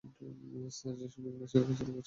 Sir, সে বিঘ্নেশের সাথে কোচিনে গেছে।